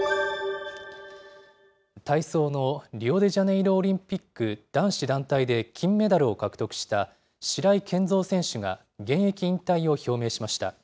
体操のリオデジャネイロオリンピック男子団体で金メダルを獲得した白井健三選手が現役引退を表明しました。